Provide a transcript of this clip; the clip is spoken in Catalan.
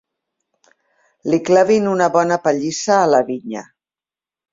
Li clavin una bona pallissa a la vinya.